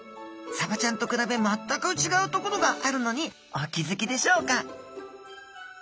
サバちゃんと比べ全く違うところがあるのにお気付きでしょうか？